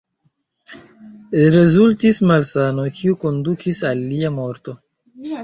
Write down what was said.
Rezultis malsano, kiu kondukis al lia morto.